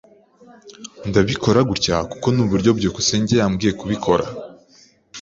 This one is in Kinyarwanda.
Ndabikora gutya kuko nuburyo byukusenge yambwiye kubikora.